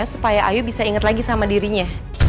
supaya ayu bisa ingat lagi sama dirinya